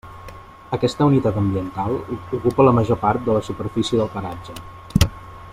Aquesta unitat ambiental ocupa la major part de la superfície del paratge.